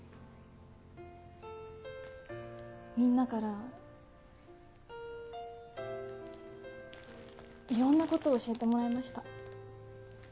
みんなからいろんなことを教えてもらいました。